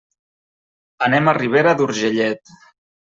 Anem a Ribera d'Urgellet.